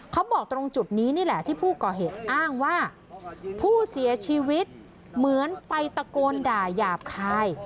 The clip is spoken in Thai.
ตรงจุดนี้นี่แหละที่ผู้ก่อเหตุอ้างว่าผู้เสียชีวิตเหมือนไปตะโกนด่ายาบคาย